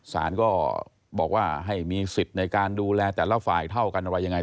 สารก็บอกว่าให้มีสิทธิ์ในการดูแลแต่ละฝ่ายเท่ากันอะไรยังไง